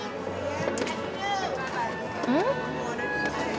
うん？